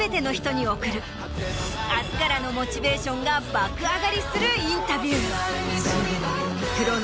明日からのモチベーションが爆上がりするインタビュー。